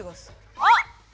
あっ！